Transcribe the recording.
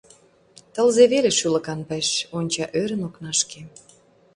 Тылзе веле шӱлыкан пеш, онча ӧрын окнашкем.